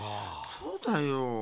そうだよう。